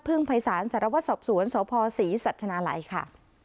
พึ่งภัยศาลสารวัตรศอบศูนย์สภศรีสัจฉนาลัยค่ะ